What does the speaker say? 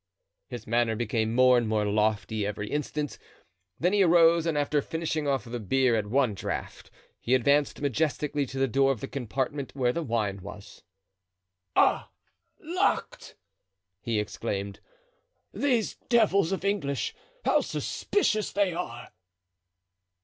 His manner became more and more lofty every instant; then he arose and after finishing off the beer at one draught he advanced majestically to the door of the compartment where the wine was. "Ah! locked!" he exclaimed; "these devils of English, how suspicious they are!"